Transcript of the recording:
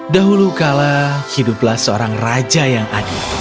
dahulu kala hiduplah seorang raja yang adil